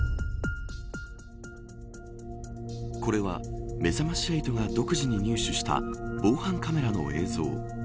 これはめざまし８が独自に入手した防犯カメラの映像。